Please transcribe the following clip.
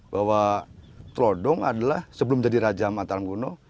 bahwa trodong adalah sebelum jadi raja mataram kuno